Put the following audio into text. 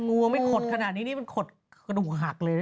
งูไม่ขดขนาดนี้นี่มันขดหนูหักเลย